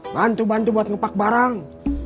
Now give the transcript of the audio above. bantu bantu buat ngepak barang